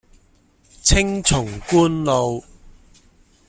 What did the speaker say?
青松觀路